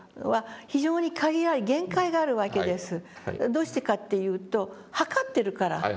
どうしてかっていうと測ってるから。